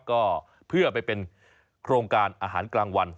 ก็เพื่อไปเป็นโครงการอาหารกลางวัน